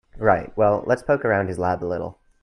Right, well let's poke around his lab a little.